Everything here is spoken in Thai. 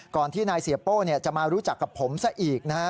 ที่นายเสียโป้จะมารู้จักกับผมซะอีกนะฮะ